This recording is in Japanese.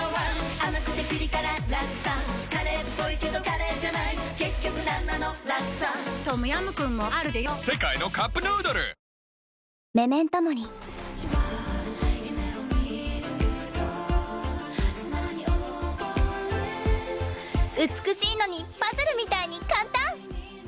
甘くてピリ辛ラクサカレーっぽいけどカレーじゃない結局なんなのラクサトムヤムクンもあるでヨ世界のカップヌードルお天気をお伝えします。